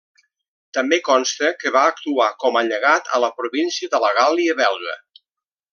També consta que va actuar com a llegat a la província de la Gàl·lia Belga.